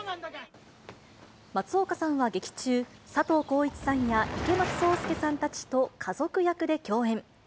松岡さんは劇中、佐藤浩市さんや池松壮亮さんたちと家族役で共演。